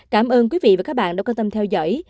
cảm ơn quý vị và các bạn đã quan tâm theo dõi